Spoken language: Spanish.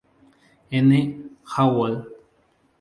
N. Hallowell.